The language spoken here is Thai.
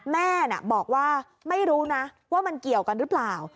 แม่บอกว่าไม่รู้นะว่ามันเกี่ยวกันหรือเปล่า